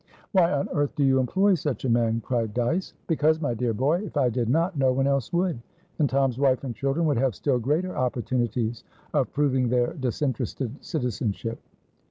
"Why on earth do you employ such a man?" cried Dyce. "Because, my dear boy, if I did not, no one else would, and Tom's wife and children would have still greater opportunities of proving their disinterested citizenship."